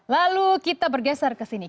lalu kita bergeser ke sini